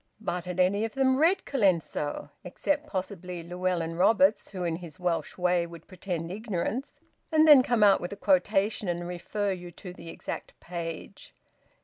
But had any of them read Colenso, except possibly Llewellyn Roberts, who in his Welsh way would pretend ignorance and then come out with a quotation and refer you to the exact page?